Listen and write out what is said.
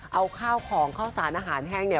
เอาข้าวของข้าวสารอาหารแห้งเนี่ย